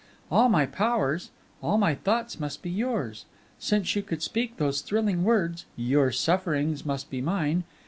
All my powers, all my thoughts must be yours, since you could speak those thrilling words, 'Your sufferings must be mine!'